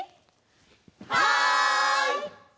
はい！